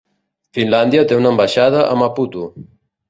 Finlàndia té una ambaixada a Maputo.